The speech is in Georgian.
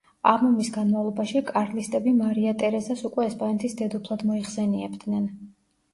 ამ ომის განმავლობაში, კარლისტები მარია ტერეზას უკვე ესპანეთის დედოფლად მოიხსენიებდნენ.